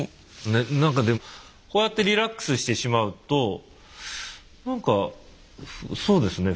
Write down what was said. なんかでもこうやってリラックスしてしまうとなんかそうですね